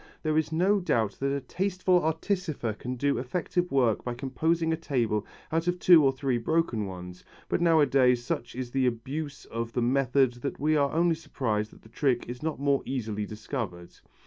There is no doubt that a tasteful artificer can do effective work by composing a table out of two or three broken ones, but nowadays such is the abuse of the method that we are only surprised that the trick is not more easily discovered.